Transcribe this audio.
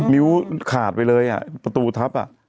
นิ้วขาดไปเลยประตูทับ